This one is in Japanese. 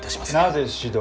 なぜ指導を？